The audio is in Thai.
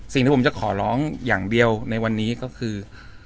สิ่งที่ผมจะขอร้องอย่างเดียวในวันนี้ก็คือ